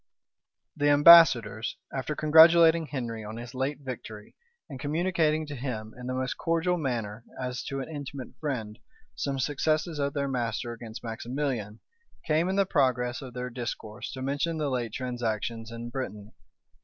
The ambassadors, after congratulating Henry on his late victory, and communicating to him, in the most cordial manner, as to an intimate friend, some successes of their master against Maximilian, came in the progress of their discourse to mention the late transactions in Brittany.